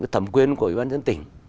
thẩm quyền của ủy ban nhân tỉnh